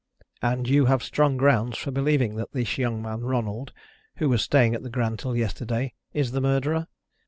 "And you have strong grounds for believing that this young man Ronald, who was staying at the Grand till yesterday, is the murderer?"